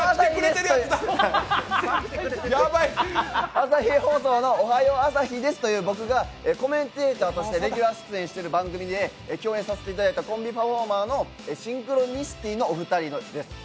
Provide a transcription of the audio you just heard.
朝日放送の「おはよう朝日です」という、僕がコメンテーターとしてレギュラー出演している番組で、共演させていただいたコンビパフォーマーのシンクロニシティのお二人です。